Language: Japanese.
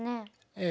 ええ。